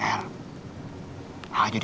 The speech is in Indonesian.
e r tak pinter